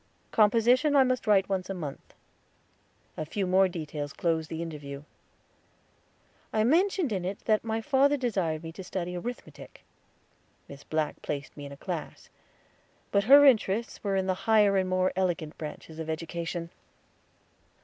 Composition I must write once a month. A few more details closed the interview. I mentioned in it that father desired me to study arithmetic. Miss Black placed me in a class; but her interests were in the higher and more elegant branches of education.